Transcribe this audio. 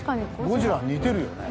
ゴジラに似てるよね。